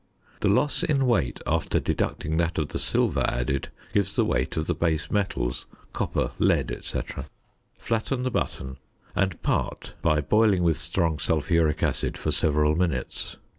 The loss in weight, after deducting that of the silver added, gives the weight of the base metals, copper, lead, &c. Flatten the button and part by boiling with strong sulphuric acid for several minutes.